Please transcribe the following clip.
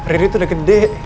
riri tuh udah gede